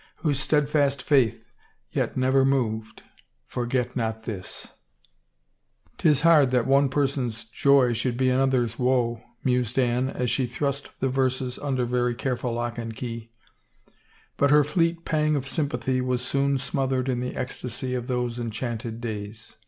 Whose steadfast faith yet never moved; Forget not this. St 9» Tis hard that one person's joy shotdd be another's woe," mused Anne as she thrust the verses under very careful lock and key, but her fleet pang of S3rmpathy was soon smothered in the ecstasy of those enchanted days.